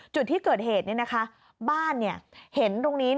จุดที่เกิดเหตุบ้านเห็นตรงนี้